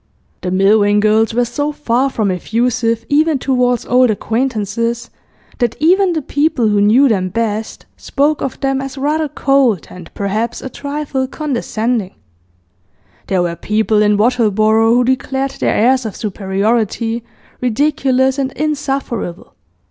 The Milvain girls were so far from effusive, even towards old acquaintances, that even the people who knew them best spoke of them as rather cold and perhaps a trifle condescending; there were people in Wattleborough who declared their airs of superiority ridiculous and insufferable.